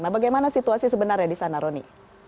nah bagaimana situasi sebenarnya di sana roni